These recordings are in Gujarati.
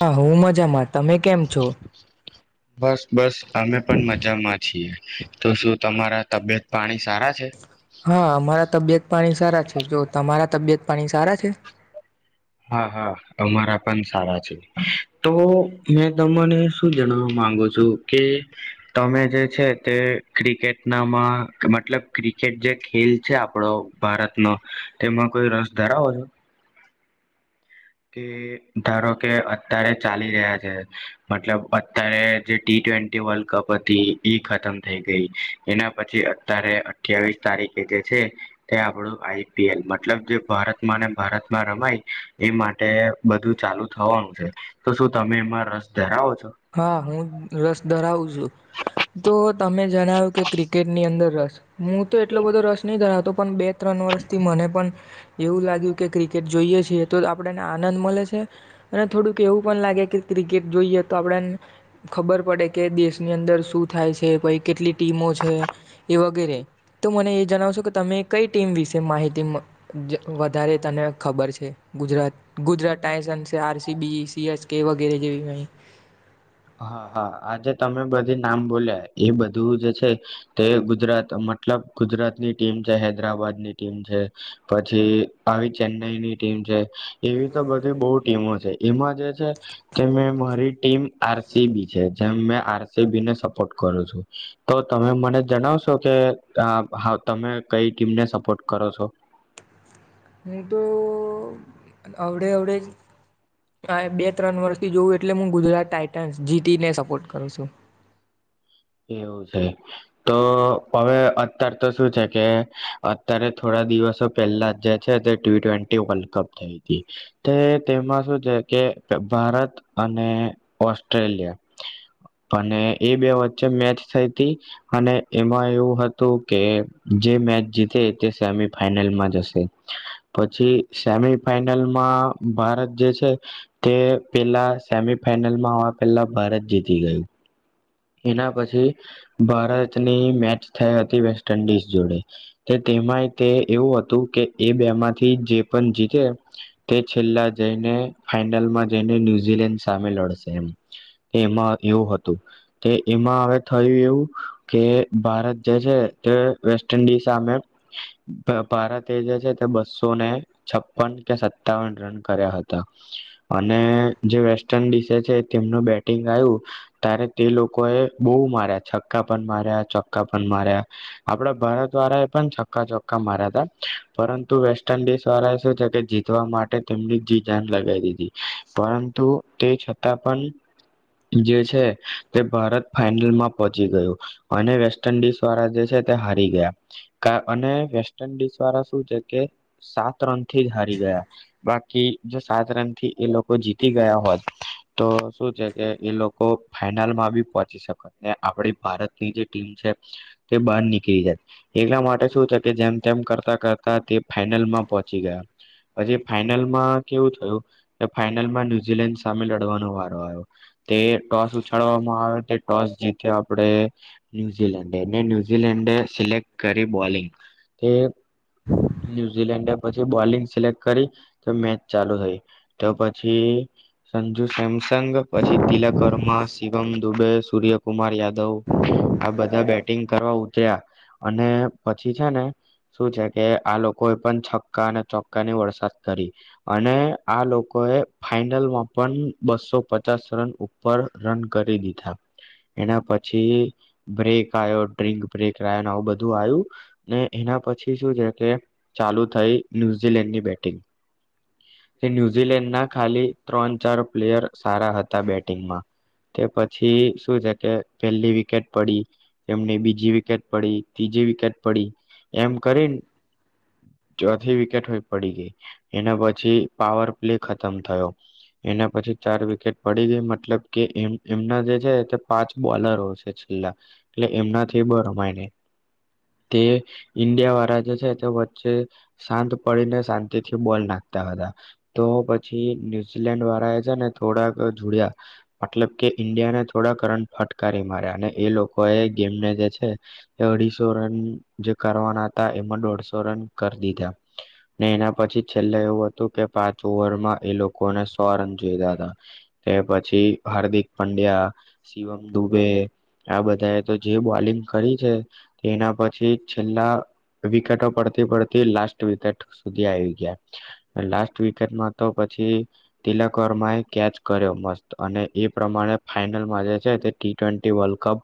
હા હું મજામાં તમે કેમ છો બસ બસ અમે પણ મજામાં છીએ તો શું તમારા તબિયત પાણી સારા છે હા મારા તબિયત પાણી સારા છે જો તમારા તબિયત પાણી સારા છે. હા હા અમારા પણ સારા છે. તો મે તો મને શું જણવા માંગુ છું કે તમે જે છે તે ક્રિકેટ નામાં મતલબ ક્રિકેટ જે ખેલ છે આપડો ભારતનો તેમાં કોઈ રસ ધરાવો છો. કે ધારો કે અત્યારે ચાલી રહ્યા છે મતલબ અત્યારે જે ટી ટ્વેન્ટી વર્લ્ડ કપ હતી એ ખતમ થઈ ગઈ એના પછી અત્યારે અઠ્યાવીસ તારીખે જે છે તે આપણું આઈ પી એલ મતલબ જે ભારતમાં ને ભારતમાં રમાય એ માટે તે બધું ચાલુ થવાનું છે તો શું તમે એમાં રસ ધરાવો છો. હા હું રસ ધરાવું છું. તો તમે જણાવ્યું કે ક્રિકેટ ની અંદર રસ હું તો એટલો બધો રસ નહી ધરાવતો પણ બે ત્રણ વર્ષથી મને પણ એવું લાગ્યું કે ક્રિકેટ જોઈએ છે. જો તો આપણને આનંદ મલે છે અને થોડુંક એવું પણ લાગે કે ક્રિકેટ જોઈએ આપ ખબર પડે કે દેશની અંદર શું થાય છે કોઈ કેટલી ટીમો છે, એ વગેરે તો મને એ જણાવશો કે તમે કઈ ટીમ વિશે માહિતી જ વધારે તને ખબર છે, Gujarat, Gujarat Titans, RCB, CS કે વગેરે જેવી હોઈ હા હા આજે તમે બધી નામ બોલ્યા એ બધું જે છે તે ગુજરાત મતલબ ગુજરાત ની ટીમ છે હૈદરાબાદની ટીમ છે પછી આવી ચેન્નાઈ ની ટીમ છે એવી તો બધી બો ટીમો છે એમાં જે છે કે મે મારી ટીમ આર સી બી છે તેમ મેં આર સી બીને સપોર્ટ કરું છું તો તમે મને જણાવશો કે તમે કઈ ટીમને સપોર્ટ કરો છો હું તો અવડે અવડે આ બે ત્રણ વર્ષથી જોવું એટલે હું ગુજરાત ટાાઈટન્સ જી ટી ને સપોર્ટ કરું છું એવું છે તો હવે અત્યારે તો શું છે કે અત્યારે થોડા દિવસો પહેલા જે છે તે ટી ટ્વેન્ટી વર્લ્ડ કપ થઈ હતી તે તેમાં શું છે કે ભારત અને ઓસ્ટ્રેલિયા અને એ બે વચ ચે મેચ થઈ હતી અને એમાં એવું હતું કે જે મેચ જીતે તે સેમી ફાઈનલમાં જશે પછી સેમી ફાઈનલમાં ભારત જે છે તે પેલા સેમી ફાઈનલમાં આવા પેલા ભારત જીતી ગયું એના પછી ભારતની મેચ થઈ હતી વેસ્ટ ઇન્ડિઝ જોડે તે તેમાંય તે એવું હતું કે એ બે માંથી જે પણ જીતે તે છેલ્લા જઈને ફાઈનલમાં જઈને ન્યુઝીલેન્ડ સામે લડશે એમાં એવું હતું. તે એમાં હવે થયું એવું કે ભારત જે છે તે વેસ્ટ ઇન્ડિઝ સામે ભારતે જે છે તે બસોને છપ્પન કે સત્તાવન રન કર્યા હતા અને જે વેસ્ટ ઇન્ડિઝ છે તેમનું બેટિંગ આવ્યું તારે તે લોકો એ બહુ માર્યા છક્કા પણ માર્યા ચોક્કા પણ માર્યા આપડા ભારત વાળા એ પણ છક્કા ચોખકા માર્યા ત પરંતુ વેસ્ટ ઇન્ડિઝ વાળા સુ છે જીતવા માટે તેમની જી જાન લગાવી દીધી. પરંતુ તે છતાં પણ જે છે. તે ભારત ફાાઈનલમાં પહોંચી ગયું અને વેસ્ટ ઇન્ડિઝ વાળા જે છે તે હારી ગયા અને વેસ્ટ ઇન્ડિઝ વાળા શું છે કે સાત રન થી જ હારી ગયા બાકી જે સાત રન થી એ લો જીતી ગયા હોત તો શું છે કે એ લોકો ફાઈ માં બી પહોચી શકો ને આપ ભારતની જે ટીમ છે તે બહાર નીકળી જાય એટલા માટે શું થ કે જેમ તેમ કરતા કરતા તે ફાઈનલમાં પહોંચી ગયા પછી ફાઈનલ માં કેવું થયું. ફાઈનલમાં ન્યુઝીલેન્ડ સામે લડવાનો વારો આવ્યો તે ટોસ ચડવામાં આવે તે ટોસ જીત્યો આપણે ન્યુઝીલેન્ડ ન્યુઝીલેન્ડે સિલેક્ટ કરી બોલિંગ તે ન્યુઝીલેન્ડ પ બોલિંગ સિલેક્ટ કરી તો મે ચાલુ થઈ તો પછી સંજુ સેમસંગ પછી તિલવર્મા. શિવમ દુબે, સૂર્યકુમાર યાદવ, આ બધા બેટિંગ કરવા ઉતર્યા, અને પછી છે ને શું છે કે આ લોકો એ પણ છ ચકા અને ચોક્કા ની વરસાદ કરી અને આ લોકો એ ફાઈનલમાં પણ બસો પચાસ રન ઉપર રન... કરી દીધા એના પછી બ્રેક આયો ડ્રીંક બ્રેક રહ્યો આવું બધું આયું ને એના પછી શું છે કે ચાલુ... થઈ ન્યુઝીલેન્ડની બેટિંગ, તે ન્યુઝીલેન્ડના ખાલી ત્રણ ચાર પ્લેયર સારા હતા બેટિંગમાં... તે પછી શું છે કે પેલી વિકેટ પડી, એમની બીજી વિકેટ પડી, ત્રીજી વિકેટ પડી એમ કરીન... ચોથી વિકેટ હોય પડી ગઈ. એના પછી પાવર પ્લે ખતમ થયો એના પછી ચાર વિકેટ પડી ગઈ મતલબ કે એમ... હમના જે છે તે પાંચ બોલરો છે છેલ્લા, એટલે એમનાથી બ રમાય ની, તે ઈન્ડિયા વાળા જે છે તે વચ્ચે શાંત પડીને શાંતિથી... બોલ નાખતા હતા, તો પછી ન્યુઝીલેન્ડ વાળા એ છે ને થોડાક જોડયા... કે ઈન્ડિયાને થોડાક રન ફટકારી માર્યા અને એ લોકો એ ગેમને જે છે તે અઢીસો રન જે કરવાના હતા એમાં દોઢસો રન કર દીધા ને એના પછી છેલ્લે... એવું હતું કે પાંચ ઓવરમાં એ લોકોને સો રન જોઈતા હતા, તે પછી હાર્દિક.... પંડ્યા, શિવમ દુબે, આ બધા એ તો જે બોલિંગ કરી છે, તે એના પછી છેલ્લા વિકેટો પડતી પડતી લાસ્ટ વિકેટ સુધી આવી ગયા. લાસ્ટ વિકેટમાં તો પછી તિલક વર્મા એ કેચ કર્યો મસ્ત અને એ... પ્રમાણે ફાઈનલમાં જે છે તે ટી ટવેન્ટી વલ્ડ કપ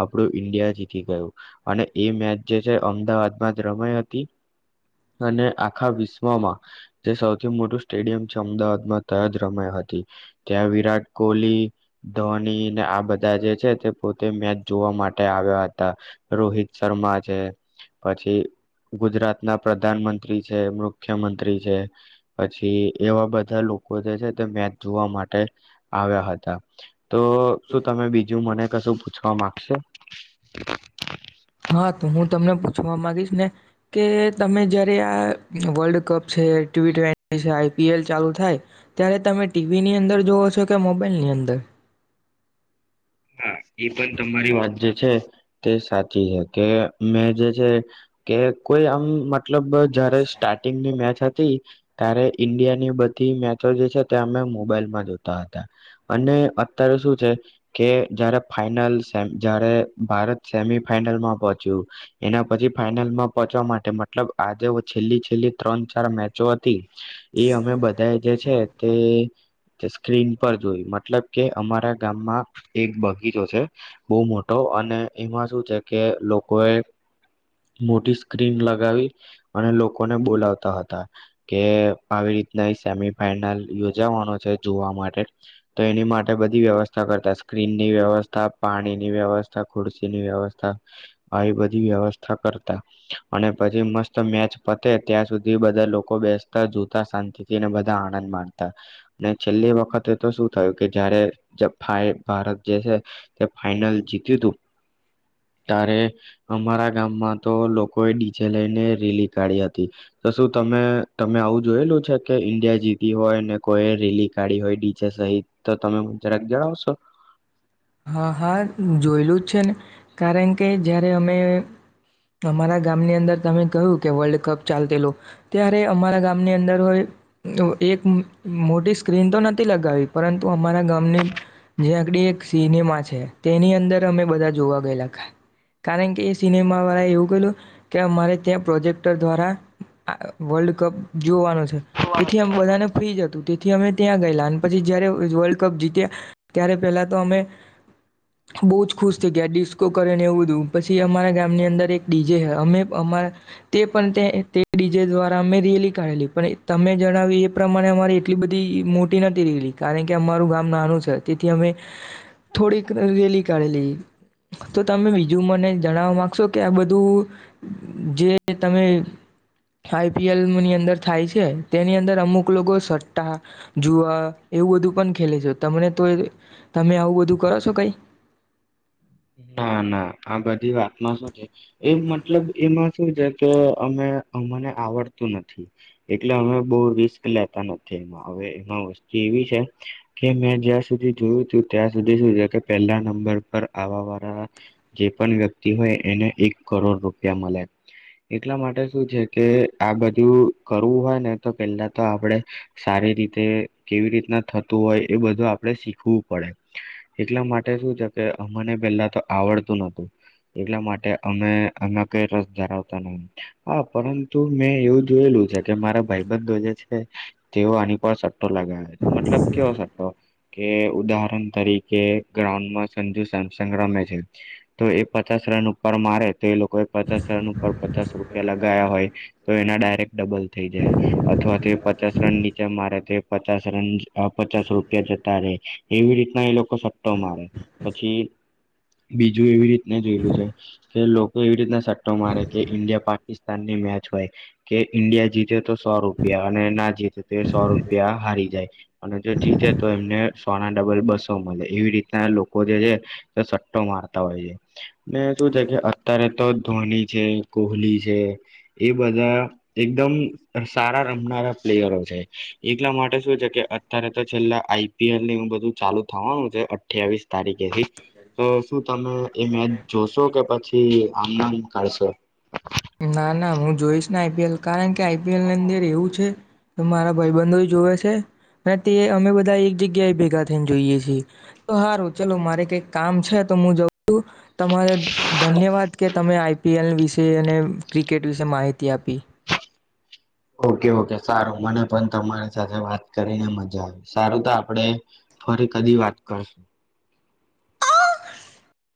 આપણું ઈન્ડિયા જીતી ગયું, અને એ મેચ જે છે અમદાવાદમાં જ રમાઈ હતી, અને આખા વિશ્વમાં... જે સૌથી મોટું સ્ટેડિયમ છે અમદાવાદમાં તા જ રમાય હતી, ત્યાં વિરાટ કોહલી... ધોની ને આ બધા જે છે તે પોતે મેચ જોવા માટે આવ્યા હતા, રોહિત શર્મા છે, પછી ગુજરાત ના પ્રધાનમંત્રી છે, મુખ્ય... છે પછી એવા બધા લોકો જે છે તે મેચ જોવા માટે આવ્યા હતા. તો શું તમે બીજું મને કશું પૂછવા... માંગશો. હા તો હું તમને પૂછવા માગીશ ને કે તમે જયારે આ વર્લ્ડ કપ છે ટી ટ્વેન્ટી છે આઈપીએલ ચાલુ થાય ત્યારે તમે ટીવીની અંદર જોવ છો કે મોબાઈલની અંદર. હા એ પણ તમારી વાત જે છે તે સાચી છે કે મેં જે છે કે કોઈ આમ... મતલબ જયારે સ્ટાર્ટિંગની મેચ હતી... તે ત્યારે ઈન્ડિયાની બધી મેચો જે છે તે અમે મોબાઈલમાં જોતા હતા અને અત્યારે શું છે... કે જયારે ફાઈનલ સેમ જારે ભારત સેમી ફાઈનલમાં પહોંચ્યું એના પછી ફાઈનલમાં પહોચવા માટે મતલબ આજે છેલ્લી છેલ્લી ત્રણ ચાર મેચો હતી... એ અમે બધાએ જે છે તે... જે સ્ક્રીન પર જોય, મતલબ કે અમારા ગામમાં... એક બગીચો છે બહુ મોટો અને એમાં શું છે કે લોકો એ મોટી સ્ક્રીન લગાવી અને લોકોને બોલાવતા હતા કે આવી રીતના એ સેમી ફાઈનલ યોજાવાનો છે, જોવા માટે તો એની માટે બધી વ્યવસ્થા કરતા... સ્ક્રીનની વ્યવસ્થા પાણીની વ્યવસ્થા ખુરશીની વ્યવસ્થા આવી બધી વ્યવસ્થા કરતા અને પછી મસ્ત મેચ... પતે ત્યાં સુધી બધા લોકો બેસતા જોતા શાંતિ થીને બધા આનંદ માણતા, ને છેલ્લી વખતે તો શું થયું કે જયારે જ ફાય ભારત જે છે તે ફાઈનલ જીત્યુંતુ તારે અમારા ગામમાં તો લોકોએ ડીજે લઈને રેલી... કાઢી હતી તો શું તમે તમે આવું જોયેલું છે કે ઈન્ડિયા જીતી હોય ને કોઈ રેલી કાઢી હોય ડી જે સહિત તો તમે જરાક જણાવશો હા હા જોયેલું જ છે ને કારણ કે જયારે અમે અમારા ગામની અંદર તમે કહ્યું કે વર્લ્ડ કપ ચાલુ થયલું ત્યારે અમારા ગામની અંદર હોય એક મોટી સ્ક્રીન તો નથી લગાવી પરંતુ અમારા ગામની જ્યાં આકડી એક સિનેમા છે તેની અંદર અમે બધા જોવા ગયેલા કારણ કે એ સિનેમાવાળાએ એવું કહેલું કે અમારે ત્યાં પ્રોજેક દ્વારા અ વર્લ્ડ કપ જોવાનુ છે તેથી અમે બધાને ફ્રી જ હેતું તેથી અમે ત્યાં ગયેલા અને પછી જયારે વર્લ્ડકપ જીત્યા ત્યારે પેલા તો અમે બો જ ખુશ થઈ ગયા ડિસ્કો કરે ને એવું બધું પછી અમારા ગામની અંદર એક ડીજે હ અમે અમારે અમે રેલી કાઢેલી પણ તમે જણાવ્યું એ પ્રમાણે અમારી એટલી બધી મોટી નતી રેલી કારણ કે અમારું ગામ નાનું છે. તેથી અમે થોડીક રેલી કાઢેલી તો તમે બીજું મને જણાવવા માંગશો કે આ બ બધું જે તમે આઈપીએલ ની અંદર થાય છે તેની અંદર અમુક લોકો સટ્ટા જુઆ એવું બધું પણ ખેલે છે તમને તો એ તમે આવું બધું કરો છો કંઇ? ઘી વાત માં સુ છે એ મતલબ એમાં શું છે કે અમે અમને આવડતું નથી. એટલે અમે બહુ રિસ્ક લેતા નથી. એમાં હવે એમાં વસ્તુ એવી છે કે મેં જ્યાં સુધી જોયું તું ત્યાં સુધી શું છે કે પહેલા નંબર પર આવા વાળા જે પણ વ્યક્તિ હોય એને એક કરોડ રૂપિયા મળે. એટલા માટે શું છે કે આ બધું કરવું હોય ને તો પહેલા તો આપણે સારી રીતે કેવી રીતના થતું હોય એ બધું આપણે શીખવું પડે. એટલા માટે શું છે કે અમને પેલા તો આવડતું નતું. એટલા માટે અમે આમાં કઈ રસ ધરાવતા ન હા પરંતુ મેં એવું જોયેલું છે કે મારા ભાઈબંધો જે છે તેઓ આની પર સટ્ટો લગાવે છે. મતલબ કેવો સટ્ટો કે ઉદાહરણ તરીકે ગ્રાઉન્ડમાં સંજુ સેમસંગ રમે છે. તો એ પચાસ રન ઉપ પર મારે તો એ લોકો એક પચાસ રન પચાસ રૂપિયા લગાયા હોય તો એના ડાયરેક્ટ ડબલ થઈ જાય અથવા તે પચાસ રન નીચે મારે તે પચાસ રન પચાસ રૂપિયા જતા રે એવી રી ના એ લોકો સટ્ટો મારે પછી બીજું એવી રીતના જોયેલું છે કે લોકો એવી રીતના સટ્ટો મારે કે ઈન્ડિયા પાકિસ્તાનની મેચ હોય કે ઈન્ડિયા જીતે તો સો રૂ પિયા અને ના જીતે તો એ સો રૂપિયા હારી જાય અને જો જીતે તો એમને સોના ડબલ બસો તો મલે એવી રીતના લોકો જે છે તે સટ્ટો મારતા હોય છે. ને શું છે કે અત્યારે તો ધોની છે કોહલી છે એ બધા એકદમ સારા રમ નારા પ્લેયરો છે એટલા માટે શું છે કે અત્યારે તો છેલ્લા આઈ પી એલ ની બધું ચાલુ થાવાનું છે. અઠ્યાવીસ તારીખેથી તો શું તમે એ મેચ જોશો કે પછી આમને આમ કાઢશો? ના ના હું જોઈશ ને આઈપીએલ કારણ કે આઈપીએલની અંદર એવું છે તો મારા ભાઈબંધો જોવે છે. અને તે અમે બધા એક જગ્યાએ ભેગા થઈને જોઈએ છીએ. તો હારુ ચલો મારે કંઈક કામ છે તો હું જઉ તમારે ધન્યવાદ કે તમે આઈ પી એલ વિશે અને ક્રી કેટ વિશે માહિતી આપી ઓકે ઓકે સારું મને પણ તમારી સાથે વાત કરીને મજા આવી સારું તો આપડે ફરી કદી વાત કરશું.